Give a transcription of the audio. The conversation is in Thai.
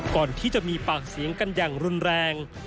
ก่อนที่จะมีปากเสียงกันอย่างรุนแรง